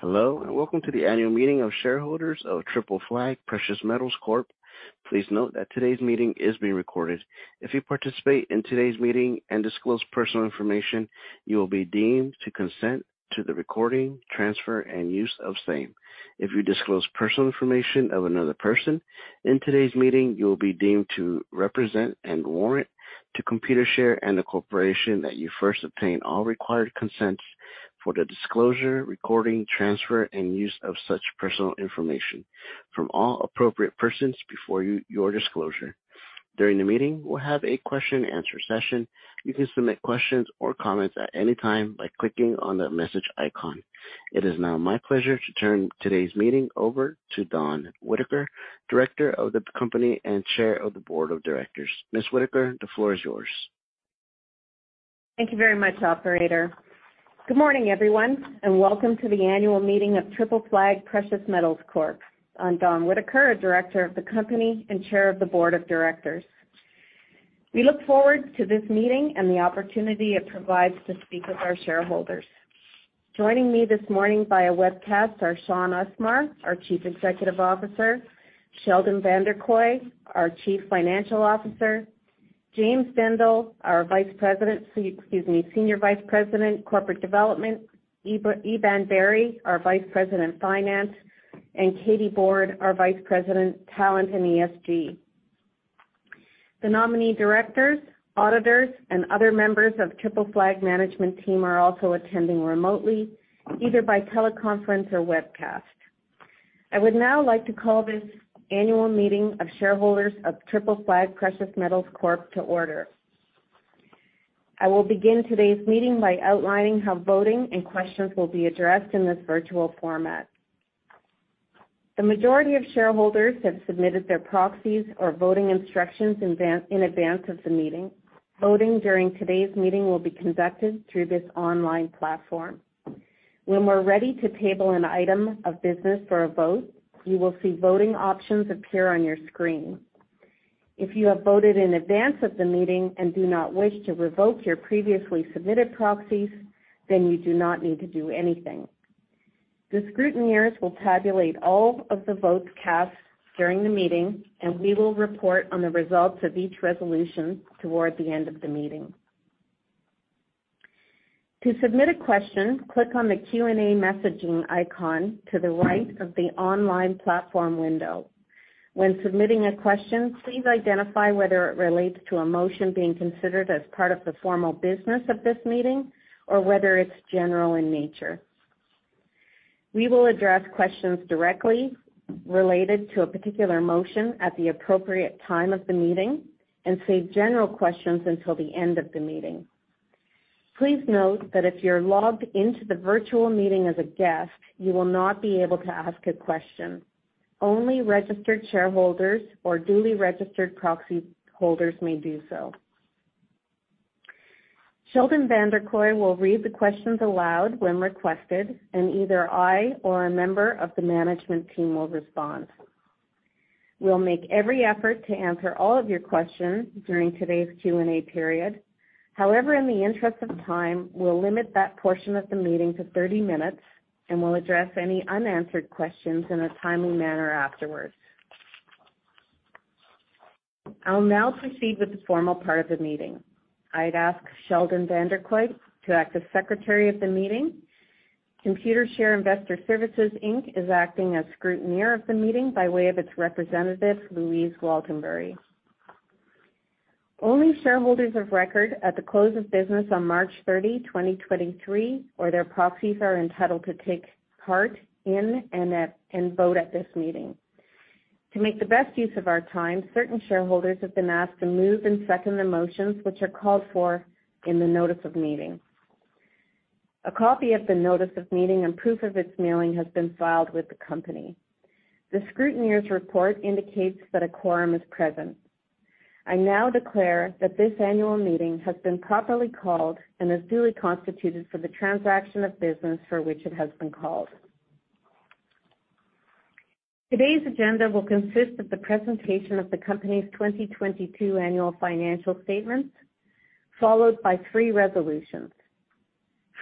Hello, and welcome to the annual meeting of shareholders of Triple Flag Precious Metals Corp. Please note that today's meeting is being recorded. If you participate in today's meeting and disclose personal information, you will be deemed to consent to the recording, transfer, and use of same. If you disclose personal information of another person in today's meeting, you will be deemed to represent and warrant to Computershare and corporation that you first obtain all required consents for the disclosure, recording, transfer, and use of such personal information from all appropriate persons before your disclosure. During the meeting, we'll have a question and answer session. You can submit questions or comments at any time by clicking on the message icon. It is now my pleasure to turn today's meeting over to Dawn Whittaker, Director of the company and Chair of the Board of Directors. Ms. Whittaker, the floor is yours. Thank you very much, operator. Good morning, everyone, welcome to the annual meeting of Triple Flag Precious Metals Corp. I'm Dawn Whittaker, a director of the company and chair of the board of directors. We look forward to this meeting and the opportunity it provides to speak with our shareholders. Joining me this morning via webcast are Shaun Usmar, our Chief Executive Officer; Sheldon Vanderkooy, our Chief Financial Officer; James Dendle, our Vice President, excuse me, Senior Vice President, Corporate Development; Eban Bari, our Vice President, Finance; and Katy Board, our Vice President, Talent and ESG. The nominee directors, auditors, and other members of Triple Flag management team are also attending remotely, either by teleconference or webcast. I would now like to call this annual meeting of shareholders of Triple Flag Precious Metals Corp to order. I will begin today's meeting by outlining how voting and questions will be addressed in this virtual format. The majority of shareholders have submitted their proxies or voting instructions in advance of the meeting. Voting during today's meeting will be conducted through this online platform. When we're ready to table an item of business for a vote, you will see voting options appear on your screen. If you have voted in advance of the meeting and do not wish to revoke your previously submitted proxies, then you do not need to do anything. The scrutineers will tabulate all of the votes cast during the meeting, and we will report on the results of each resolution toward the end of the meeting. To submit a question, click on the Q&A messaging icon to the right of the online platform window. When submitting a question, please identify whether it relates to a motion being considered as part of the formal business of this meeting or whether it's general in nature. We will address questions directly related to a particular motion at the appropriate time of the meeting and save general questions until the end of the meeting. Please note that if you're logged into the virtual meeting as a guest, you will not be able to ask a question. Only registered shareholders or duly registered proxy holders may do so. Sheldon Vanderkooy will read the questions aloud when requested, and either I or a member of the management team will respond. We'll make every effort to answer all of your questions during today's Q&A period. In the interest of time, we'll limit that portion of the meeting to 30 minutes, and we'll address any unanswered questions in a timely manner afterwards. I'll now proceed with the formal part of the meeting. I'd ask Sheldon Vanderkooy to act as Secretary of the meeting. Computershare Investor Services Inc. is acting as scrutineer of the meeting by way of its representative, Louise Waltenbury. Only shareholders of record at the close of business on March 30, 2023, or their proxies, are entitled to take part in and vote at this meeting. To make the best use of our time, certain shareholders have been asked to move and second the motions which are called for in the notice of meeting. A copy of the notice of meeting and proof of its mailing has been filed with the company. The scrutineer's report indicates that a quorum is present. I now declare that this annual meeting has been properly called and is duly constituted for the transaction of business for which it has been called. Today's agenda will consist of the presentation of the company's 2022 annual financial statements, followed by three resolutions.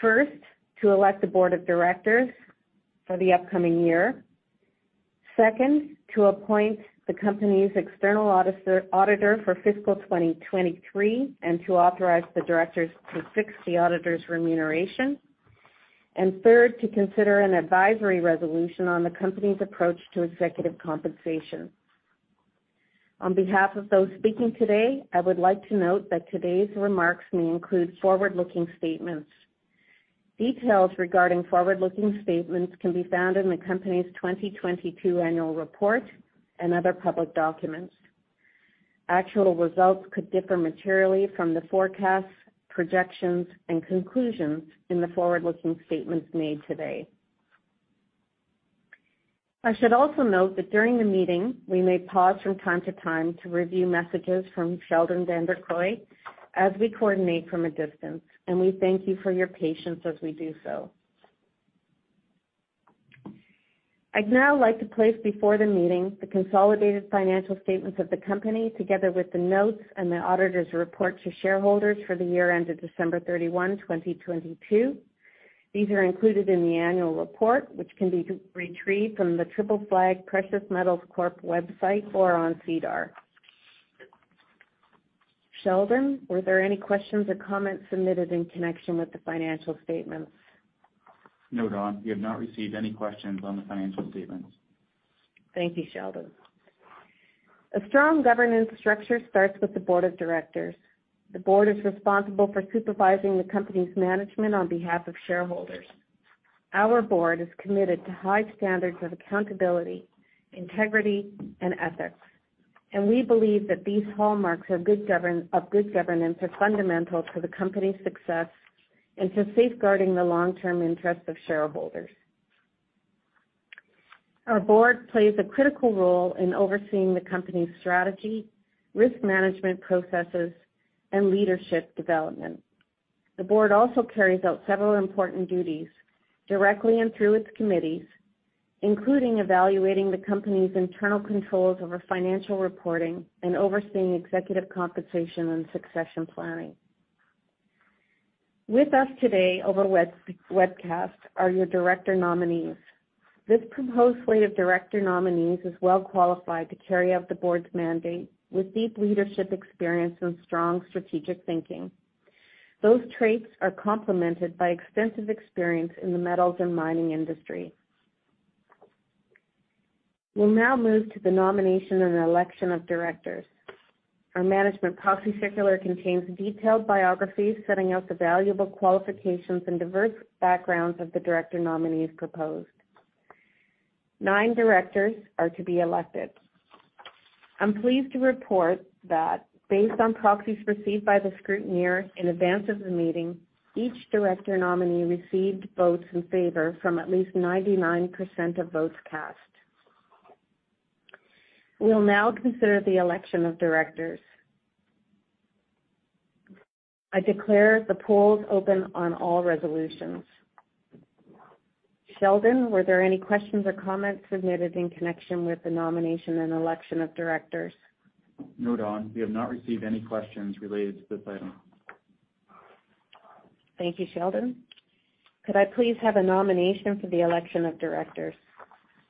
First, to elect a board of directors for the upcoming year. Second, to appoint the company's external auditor for fiscal 2023 and to authorize the directors to fix the auditor's remuneration. Third, to consider an advisory resolution on the company's approach to executive compensation. On behalf of those speaking today, I would like to note that today's remarks may include forward-looking statements. Details regarding forward-looking statements can be found in the company's 2022 annual report and other public documents. Actual results could differ materially from the forecasts, projections, and conclusions in the forward-looking statements made today. I should also note that during the meeting we may pause from time to time to review messages from Sheldon Vanderkooy as we coordinate from a distance, and we thank you for your patience as we do so. I'd now like to place before the meeting the consolidated financial statements of the company, together with the notes and the auditor's report to shareholders for the year ended December 31, 2022. These are included in the annual report, which can be retrieved from the Triple Flag Precious Metals Corp website or on SEDAR. Sheldon, were there any questions or comments submitted in connection with the financial statements? No, Dawn, we have not received any questions on the financial statements. Thank you, Sheldon. A strong governance structure starts with the board of directors. The board is responsible for supervising the company's management on behalf of shareholders. Our board is committed to high standards of accountability, integrity, and ethics, and we believe that these hallmarks of good governance are fundamental to the company's success and to safeguarding the long-term interests of shareholders. Our board plays a critical role in overseeing the company's strategy, risk management processes, and leadership development. The board also carries out several important duties directly and through its committees, including evaluating the company's internal controls over financial reporting and overseeing executive compensation and succession planning. With us today over webcast are your director nominees. This proposed slate of director nominees is well qualified to carry out the board's mandate with deep leadership experience and strong strategic thinking. Those traits are complemented by extensive experience in the metals and mining industry. We'll now move to the nomination and election of directors. Our management proxy circular contains detailed biographies setting out the valuable qualifications and diverse backgrounds of the director nominees proposed. Nine directors are to be elected. I'm pleased to report that based on proxies received by the scrutineer in advance of the meeting, each director nominee received votes in favor from at least 99% of votes cast. We'll now consider the election of directors. I declare the polls open on all resolutions. Sheldon, were there any questions or comments submitted in connection with the nomination and election of directors? No, Dawn, we have not received any questions related to this item. Thank you, Sheldon. Could I please have a nomination for the election of directors?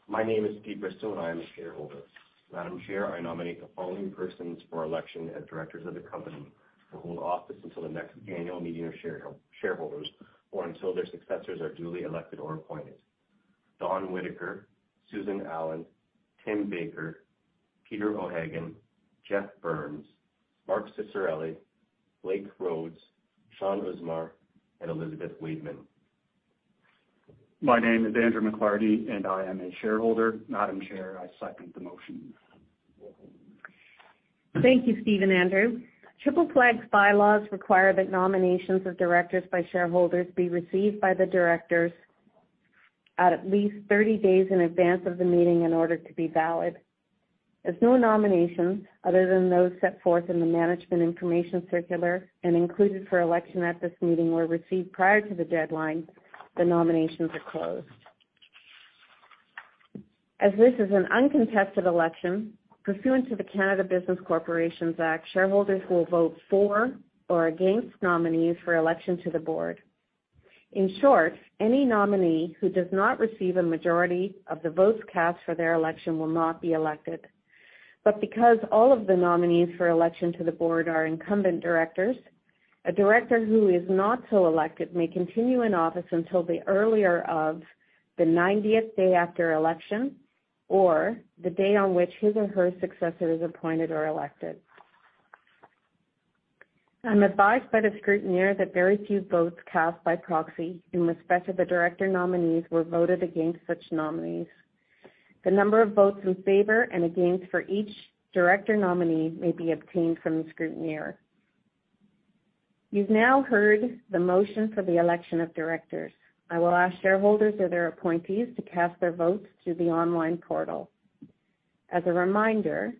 My name is Steve Bristol. I am a shareholder. Madam Chair, I nominate the following persons for election as directors of the company to hold office until the next annual meeting of shareholders or until their successors are duly elected or appointed. Dawn Whittaker, Susan Allen, Tim Baker, Peter O'Hagan, Geoff Burns, Mark Cicirelli, Blake Rhodes, Shaun Usmar, and Elizabeth Wademan. My name is Andrew McLarty, and I am a shareholder. Madam Chair, I second the motion. Thank you, Steve and Andrew. Triple Flag's bylaws require that nominations of directors by shareholders be received by the directors at least 30 days in advance of the meeting in order to be valid. As no nominations other than those set forth in the management information circular and included for election at this meeting were received prior to the deadline, the nominations are closed. As this is an uncontested election, pursuant to the Canada corporations act, shareholders will vote for or against nominees for election to the board. In short, any nominee who does not receive a majority of the votes cast for their election will not be elected. Because all of the nominees for election to the board are incumbent directors, a director who is not so elected may continue in office until the earlier of the 90th day after election or the day on which his or her successor is appointed or elected. I'm advised by the scrutineer that very few votes cast by proxy in respect of the director nominees were voted against such nominees. The number of votes in favor and against for each director nominee may be obtained from the scrutineer. You've now heard the motion for the election of directors. I will ask shareholders or their appointees to cast their votes through the online portal. As a reminder,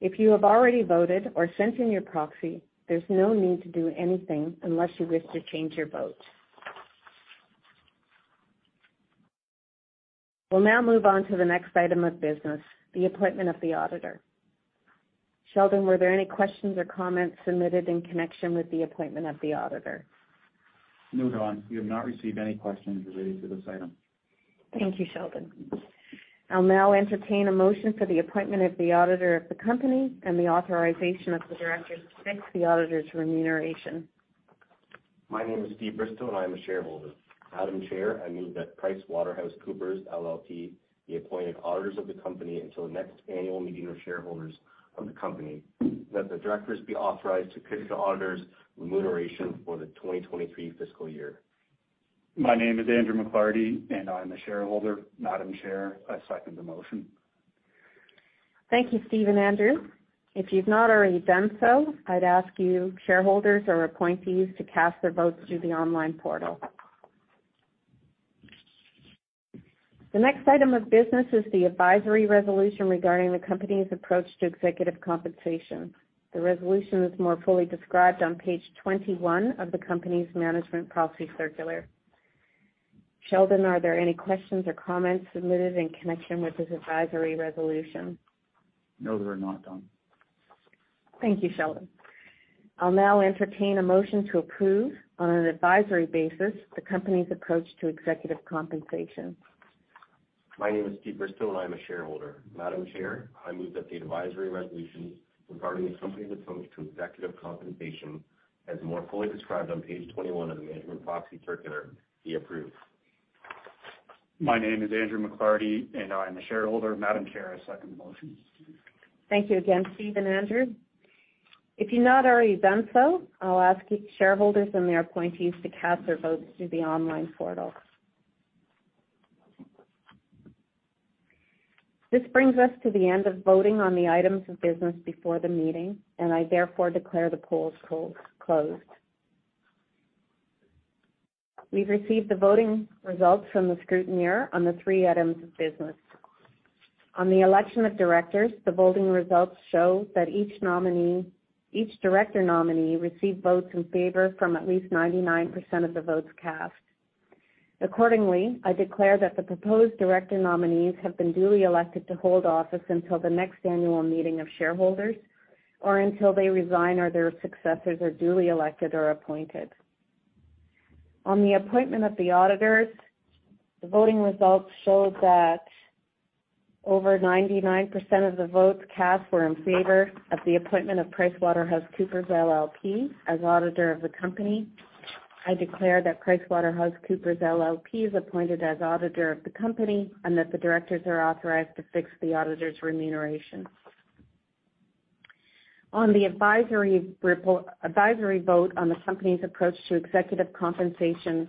if you have already voted or sent in your proxy, there's no need to do anything unless you wish to change your vote. We'll now move on to the next item of business, the appointment of the auditor. Sheldon, were there any questions or comments submitted in connection with the appointment of the auditor? No, Dawn, we have not received any questions related to this item. Thank you, Sheldon. I'll now entertain a motion for the appointment of the auditor of the company and the authorization of the directors to fix the auditor's remuneration. My name is Steve Bristol, and I am a shareholder. Madam Chair, I move that PricewaterhouseCoopers LLP be appointed auditors of the company until the next annual meeting of shareholders of the company and that the directors be authorized to pick the auditors' remuneration for the 2023 fiscal year. My name is Andrew McLarty, and I am a shareholder. Madam Chair, I second the motion. Thank you, Steve and Andrew. If you've not already done so, I'd ask you, shareholders or appointees, to cast their votes through the online portal. The next item of business is the advisory resolution regarding the company's approach to executive compensation. The resolution is more fully described on page 21 of the company's management policy circular. Sheldon, are there any questions or comments submitted in connection with this advisory resolution? No, there are not, Dawn. Thank you, Sheldon. I'll now entertain a motion to approve on an advisory basis the company's approach to executive compensation. My name is Steve Bristol. I'm a shareholder. Madam Chair, I move that the advisory resolution regarding the company's approach to executive compensation, as more fully described on page 21 of the management proxy circular, be approved. My name is Andrew McLarty, and I am a shareholder. Madam Chair, I second the motion. Thank you again, Steve and Andrew. If you've not already done so, I'll ask shareholders and their appointees to cast their votes through the online portal. This brings us to the end of voting on the items of business before the meeting, and I therefore declare the polls closed. We've received the voting results from the scrutineer on the three items of business. On the election of directors, the voting results show that each director nominee received votes in favor from at least 99% of the votes cast. Accordingly, I declare that the proposed director nominees have been duly elected to hold office until the next annual meeting of shareholders or until they resign or their successors are duly elected or appointed. On the appointment of the auditors, the voting results showed that over 99% of the votes cast were in favor of the appointment of PricewaterhouseCoopers LLP as auditor of the company. I declare that PricewaterhouseCoopers LLP is appointed as auditor of the company and that the directors are authorized to fix the auditor's remuneration. On the advisory vote on the company's approach to executive compensation,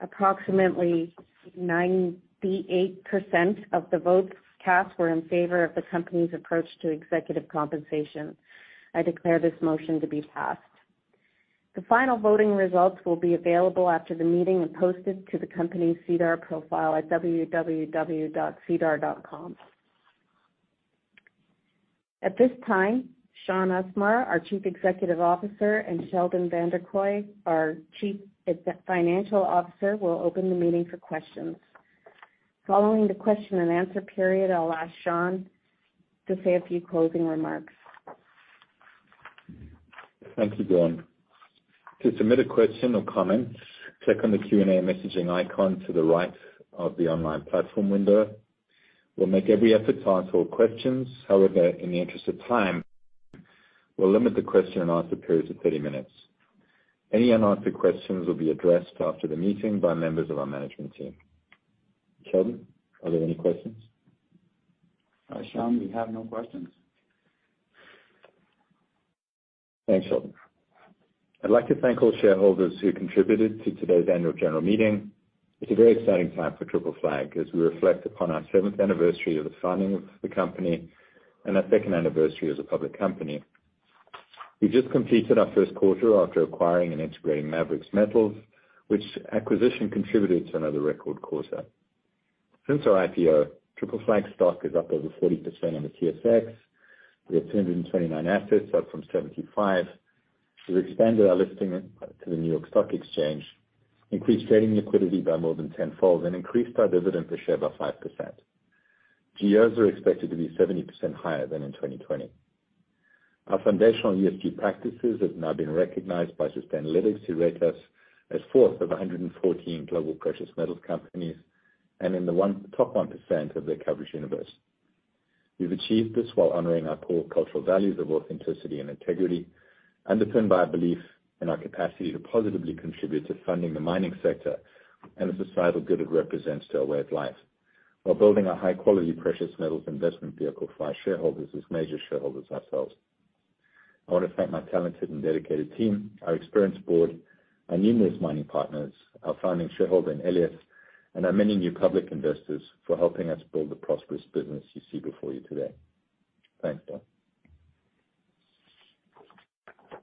approximately 98% of the votes cast were in favor of the company's approach to executive compensation. I declare this motion to be passed. The final voting results will be available after the meeting and posted to the company's SEDAR profile at www.sedar.com. At this time, Shaun Usmar, our Chief Executive Officer, and Sheldon Vanderkooy, our Chief Financial Officer, will open the meeting for questions. Following the question-and-answer period, I'll ask Sean to say a few closing remarks. Thank you, Dawn. To submit a question or comment, click on the Q&A messaging icon to the right of the online platform window. We'll make every effort to answer all questions. However, in the interest of time, we'll limit the question-and-answer period to 30 minutes. Any unanswered questions will be addressed after the meeting by members of our management team. Sheldon, are there any questions? Shaun, we have no questions. Thanks, Sheldon. I'd like to thank all shareholders who contributed to today's annual general meeting. It's a very exciting time for Triple Flag as we reflect upon our seventh anniversary of the founding of the company and our second anniversary as a public company. We just completed our first quarter after acquiring and integrating Maverix Metals, which acquisition contributed to another record quarter. Since our IPO, Triple Flag's stock is up over 40% on the TSX. We have 229 assets, up from 75. We've expanded our listing to the New York Stock Exchange, increased trading liquidity by more than tenfold, and increased our dividend per share by 5%. GEOs are expected to be 70% higher than in 2020. Our foundational ESG practices have now been recognized by Sustainalytics, who rate us as fourth of 114 global precious metals companies and in the top 1% of their coverage universe. We've achieved this while honoring our core cultural values of authenticity and integrity, underpinned by a belief in our capacity to positively contribute to funding the mining sector and the societal good it represents to our way of life, while building a high-quality precious metals investment vehicle for our shareholders as major shareholders ourselves. I want to thank my talented and dedicated team, our experienced board, our numerous mining partners, our founding shareholder in Elliott, and our many new public investors for helping us build the prosperous business you see before you today. Thanks, Dawn.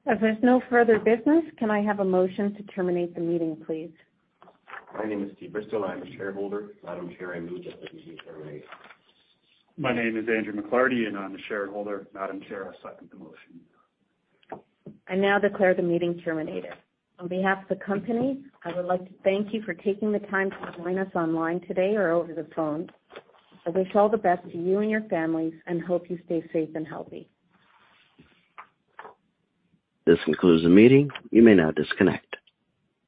As there's no further business, can I have a motion to terminate the meeting, please? My name is Steve Bristol, I am a shareholder. Madam Chair, I move that the meeting terminate. My name is Andrew McLarty, and I'm a shareholder. Madam Chair, I second the motion. I now declare the meeting terminated. On behalf of the company, I would like to thank you for taking the time to join us online today or over the phone. I wish all the best to you and your families and hope you stay safe and healthy. This concludes the meeting. You may now disconnect.